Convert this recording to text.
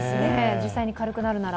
実際に軽くなるなら。